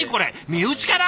身内から！？